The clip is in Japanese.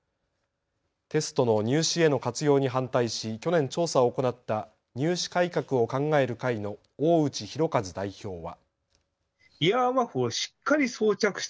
テストの入試への活用に反対し去年、調査を行った入試改革を考える会の大内裕和代表は。